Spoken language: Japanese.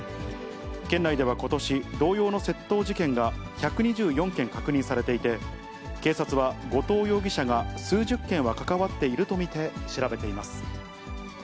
県内ではことし、同様の窃盗事件が１２４件確認されていて、警察は後藤容疑者が数十件は関わっていると見て調べています。